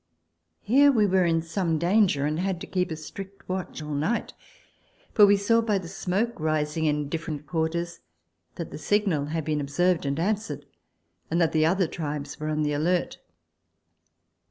Here we were in some danger, and had to keep a strict watch all night, for we saw by the smoke rising in different quarters that the signal had been observed and answered, and that the other tribes were on the alert.